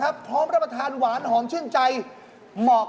เอาของแดมมาชนของสวยอย่างงานตรงนี้ครับคุณแม่ตั๊ก